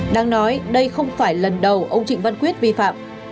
đang nói đây không phải lần đầu ông trịnh văn quyết vi phạm